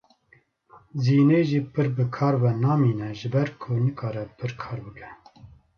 Zînê jî pir bi kar ve namîne ji ber ku nikare pir kar bike.